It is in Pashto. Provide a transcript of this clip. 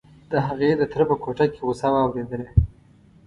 هغې د تره په کوټه کې غوسه واورېدله.